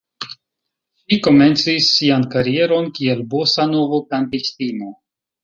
Ŝi komencis sian karieron kiel bosanovo-kantistino.